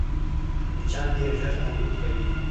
مچان ډېر ژر الوت کوي